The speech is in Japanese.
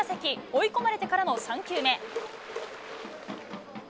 追い込まれてからの３球目。